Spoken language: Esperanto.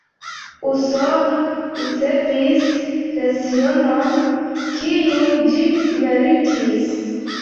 Usono ricevis lecionon, kiun ĝi meritis.